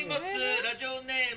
ラジオネーム。